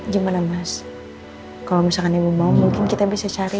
gimana mas kalau misalkan ibu mau mungkin kita bisa cari